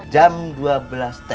jam dua belas t